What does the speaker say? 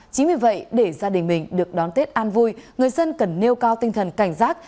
chính vì vậy để gia đình mình được đón tết an vui người dân cần nêu cao tinh thần cảnh giác